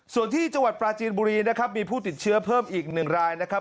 ส่วนที่จังหวัดปราจีนบุรีนะครับมีผู้ติดเชื้อเพิ่มอีก๑รายนะครับ